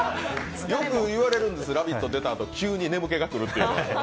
よく言われるんですよ、「ラヴィット！」出たあと、急に眠気がくるっていうのは。